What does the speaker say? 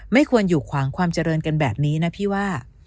ไม่ควรอยู่ขวางความเจริญกันแบบนี้นะพี่ว่า